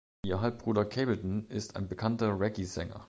Ihr Halbbruder Capleton ist ein bekannter Reggaesänger.